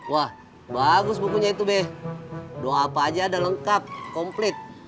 wah bagus bukunya itu deh doa apa aja udah lengkap komplit